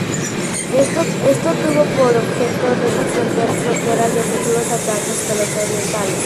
Esto tuvo por objeto, resguardar las fronteras de futuros ataques que los Orientales.